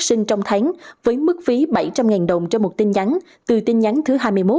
sinh trong tháng với mức phí bảy trăm linh đồng cho một tin nhắn từ tin nhắn thứ hai mươi một